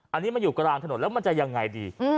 อันนี้มันอยู่กลางถนนแล้วมันจะยังไงดี